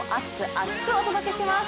厚く！お届けします。